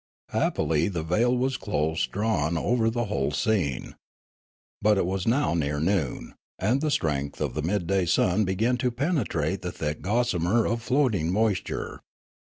Happily the veil was close drawn over the whole scene. But it was now near noon, and the strength of the midday sun began to penetrate the thick gossamer of floating moisture.